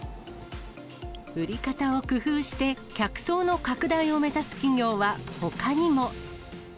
売り方を工夫して、客層の拡大を目指す企業はほかにも。